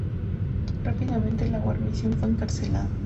Rápidamente la guarnición fue encarcelada.